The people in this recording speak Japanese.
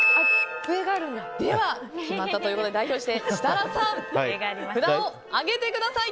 では、決まったということで代表して設楽さん札を上げてください。